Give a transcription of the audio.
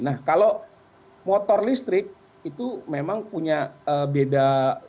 nah kalau motor listrik itu memang punya beda